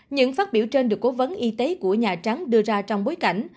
những phát biểu trên được cố vấn y tế của nhà trắng đưa ra trong bối cảnh